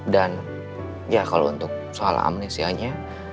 dan ya kalau untuk soal amnesianya